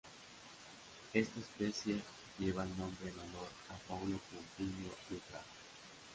Esta especie lleva el nombre en honor a Paulo Coutinho Dutra.